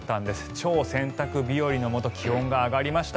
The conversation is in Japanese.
超洗濯日和のもと気温が上がりました。